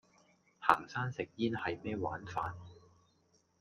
行山食煙係咩玩法?